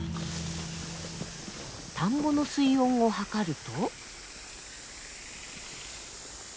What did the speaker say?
田んぼの水温を測ると。